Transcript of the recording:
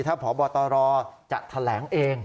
ถ้าพบตรจะแถลงเอง